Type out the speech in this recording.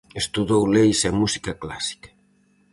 Estudou leis e música clásica.